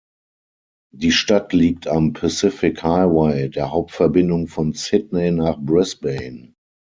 Die Stadt liegt am Pacific Highway, der Hauptverbindung von Sydney nach Brisbane.